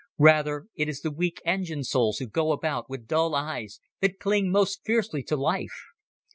Rather it is the weak engined souls who go about with dull eyes, that cling most fiercely to life.